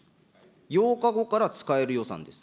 ８日後から使える予算です。